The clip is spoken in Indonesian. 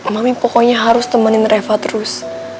mama pokoknya harus temenin reva terus